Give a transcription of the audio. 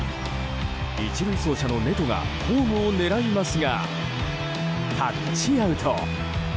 １塁走者のネトがホームを狙いますがタッチアウト。